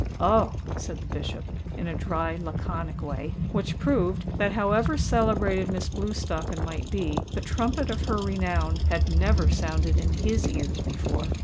"Oh!" said the Bishop, in a dry laconic way, which proved that, however celebrated Miss Blewstocken might be, the trumpet of her renown had never sounded in his ears before.